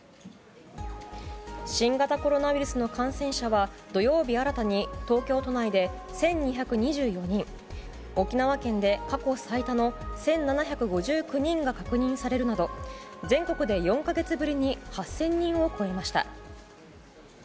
新型コロナウイルスの感染者は土曜日、新たに東京都内で１２２４人沖縄県で過去最多の１７５９人が確認されるなど全国で４か月ぶりに８０００人を超えました。